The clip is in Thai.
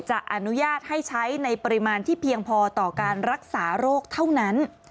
จะอนุญาตให้ใช้ในปริมาณที่เพียงพอต่อการรักษาโรคเท่านั้น